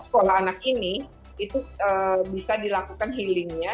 sekolah anak ini itu bisa dilakukan healingnya